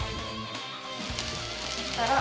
そしたら。